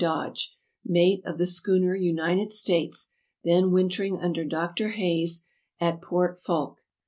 Dodge, mate of the schooner United StaUs, then wintering under Dr. Hayes at Port Foulke.